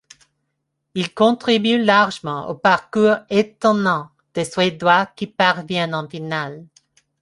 Il contribue largement au parcours étonnant des Suédois qui parviennent en finale.